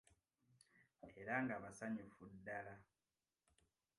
Era nga basanyufu ddala!